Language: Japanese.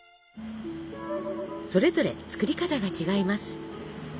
それぞれ作り方が違います。